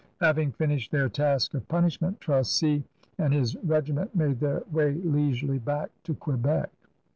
Having finished their task of punishment, Tracy and his raiment made their way leisurely back to Quebec.